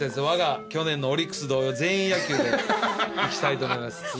わが去年のオリックス同様全員野球でいきたいと思います。